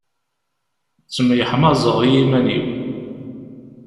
Ttemyeḥmaẓeɣ i yiman-iw.